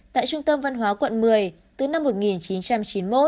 tại trung tâm văn hóa quận một mươi từ năm một nghìn chín trăm chín mươi một